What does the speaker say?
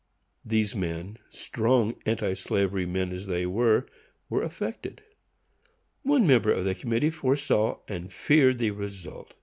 These men, strong anti slavery men as they were, were affected. One member of the committee foresaw and feared the result.